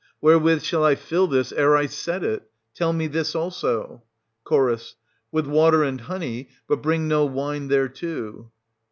Wherewith shall I fill this, ere I set it .? Tell me this also. Ch. With water and honey; but bring no wine thereto. Oe.